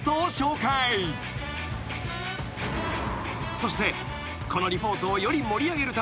［そして］